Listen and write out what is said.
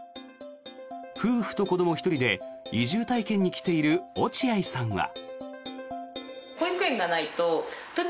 夫婦と子ども１人で移住体験に来ている落合さんは。